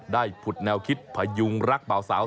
ได้พุทธแนวคิดพยุงรักเป่าสาว